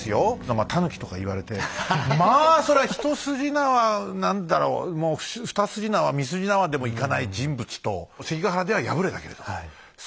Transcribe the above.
まあタヌキとか言われてまあそれは一筋縄何だろうもう二筋縄三筋縄でもいかない人物と。